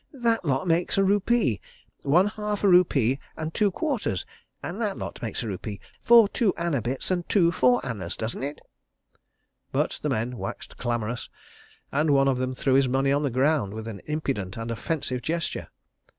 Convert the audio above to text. "That lot makes a rupee—one half a rupee and two quarters, and that lot makes a rupee—four two anna bits and two four annas, doesn't it?" But the men waxed clamorous, and one of them threw his money on the ground with an impudent and offensive gesture.